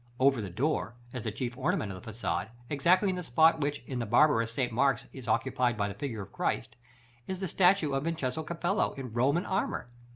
Over the door, as the chief ornament of the façade, exactly in the spot which in the "barbarous" St. Mark's is occupied by the figure of Christ, is the statue of Vincenzo Cappello, in Roman armor.